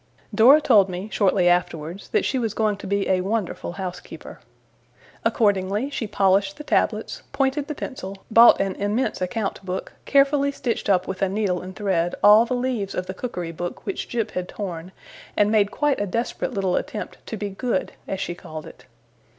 Dora told me, shortly afterwards, that she was going to be a wonderful housekeeper. Accordingly, she polished the tablets, pointed the pencil, bought an immense account book, carefully stitched up with a needle and thread all the leaves of the Cookery Book which Jip had torn, and made quite a desperate little attempt 'to be good', as she called it.